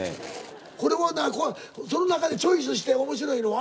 これはその中でチョイスして面白いのは？